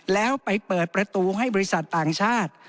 แล้วไปเปิดประตูให้บริษัทต่างชาติ